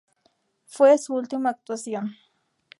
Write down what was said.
Fue su última actuación.